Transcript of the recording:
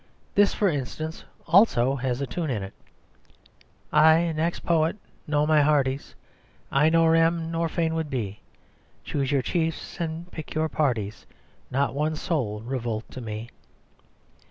This, for instance, has also a tune in it "I 'next poet.' No, my hearties, I nor am, nor fain would be! Choose your chiefs and pick your parties, Not one soul revolt to me!